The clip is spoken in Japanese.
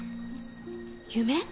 夢？